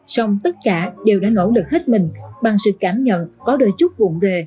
xong tất cả đều đã nỗ lực hết mình bằng sự cảm nhận có đời chúc vụn rề